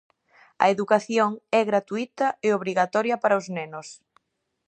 A educación é gratuíta e obrigatoria para os nenos.